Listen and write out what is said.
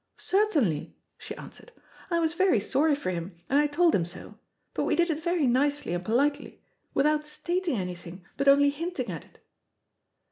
"Certainly," she answered. "I was very sorry for him, and I told him so; but we did it very nicely and politely, without stating anything, but only hinting at it."